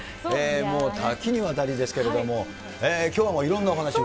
もう、多岐にわたりですけども、きょうはもう、いろんなお話を。